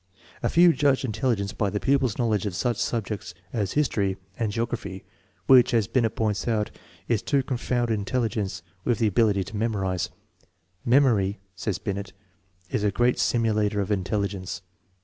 A few judged intelligence by the pupil's knowledge of such subjects as history and geography, which, as Binet points out, is to confound in telligence with the ability to memorize. " Memory," says Binet, is a " great simulator of intelligence."